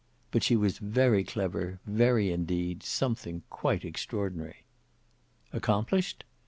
But she was very clever, very indeed, something quite extraordinary. "Accomplished?"